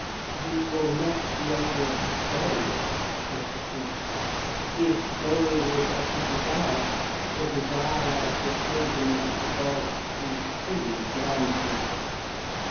'You will not be able to stay,' said the priest. 'If going is what you desire, the desire of the Chosen of the Gods is fully granted.'